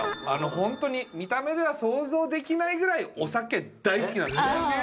ホントに見た目では想像できないぐらいお酒大好きなんですよね。